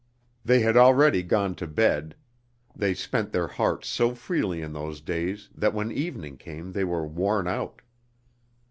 They had already gone to bed (they spent their hearts so freely in those days that when evening came they were worn out).